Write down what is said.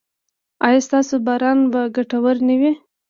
ایا ستاسو باران به ګټور نه وي؟